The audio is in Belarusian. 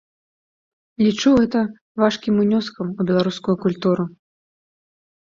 Лічу гэта важкім унёскам у беларускую культуру.